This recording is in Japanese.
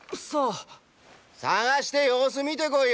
捜して様子見てこいよ